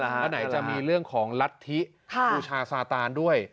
อันไหนจะมีเรื่องของรัฐธิอุชาสาตานด้วย